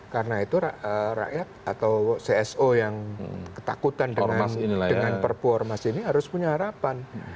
karena itu rakyat atau cso yang ketakutan dengan perpu ormas ini harus punya harapan